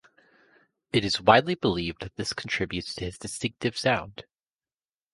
It is widely believed that this contributes to his distinctive sound.